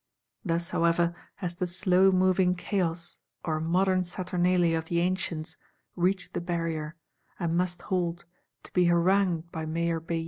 Thus, however, has the slow moving Chaos or modern Saturnalia of the Ancients, reached the Barrier; and must halt, to be harangued by Mayor Bailly.